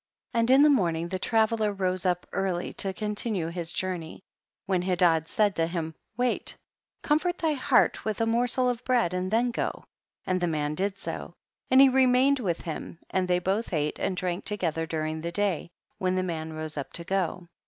24. And in the morning the tra veller rose up early to continue his journey, when Hedad said to him, wait, comfort thy heart with a mor sel of bread and then go, and the man did so ; and he remained with him, and they both ate and drank together during the day, when the man rose up to go.